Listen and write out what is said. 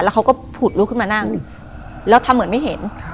เขาก็ผุดลุกขึ้นมานั่งแล้วทำเหมือนไม่เห็น